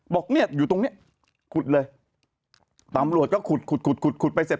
บอกเนี่ยอยู่ตรงเนี่ยขุดเลยตำลวจก็ขุดขุดไปเสร็จ